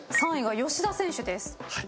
３位が吉田選手です。